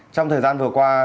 trong thời gian vừa qua